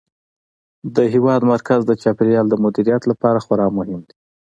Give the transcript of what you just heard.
د هېواد مرکز د چاپیریال د مدیریت لپاره خورا مهم دی.